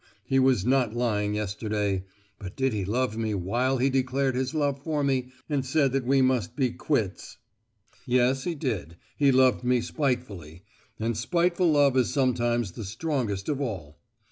he was not lying yesterday! But did he love me while he declared his love for me, and said that we must be 'quits!' Yes, he did, he loved me spitefully—and spiteful love is sometimes the strongest of all.